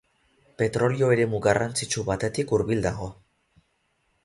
Petrolio eremu garrantzitsu batetik hurbil dago.